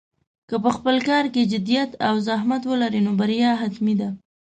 که په خپل کار کې جدیت او زحمت ولرې، نو بریا حتمي ده.